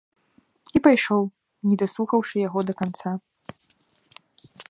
І пайшоў, не даслухаўшы яго да канца.